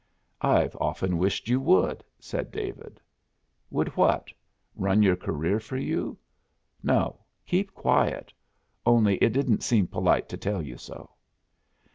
"I've often wished you would," said David. "Would what? Run your career for you?" "No, keep quiet. Only it didn't seem polite to tell you so."